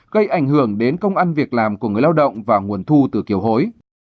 gây ảnh hưởng đến công ăn việc làm của người lao động và nguồn thu từ kiều hối